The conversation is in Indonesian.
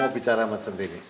saya mau bicara sama cintini